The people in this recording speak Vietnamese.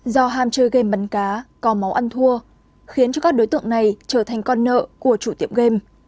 do ham chơi game bắn cá có máu ăn thua khiến cho các đối tượng này trở thành con nợ của chủ tiệm game